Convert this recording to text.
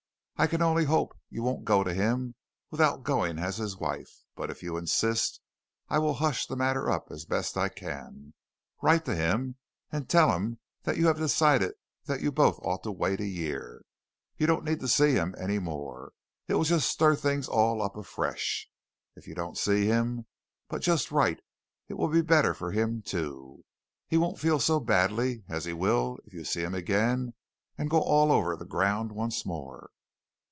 I can only hope you won't go to him without going as his wife, but if you insist, I will hush the matter up as best I can. Write to him and tell him that you have decided that you both ought to wait a year. You don't need to see him any more. It will just stir things all up afresh. If you don't see him, but just write, it will be better for him, too. He won't feel so badly as he will if you see him again and go all over the ground once more."